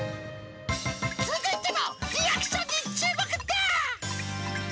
続いても、リアクションに注目だ。